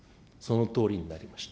そのとおりになりました。